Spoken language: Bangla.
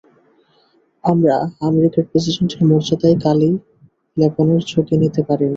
আমরা আমেরিকার প্রেসিডেন্টের মর্যাদায় কালি লেপনের ঝুঁকি নিতে পারি না।